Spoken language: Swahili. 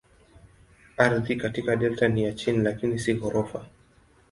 Ardhi katika delta ni ya chini lakini si ghorofa.